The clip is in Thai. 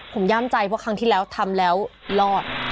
ผมย่ามใจเพราะครั้งที่แล้วทำแล้วรอด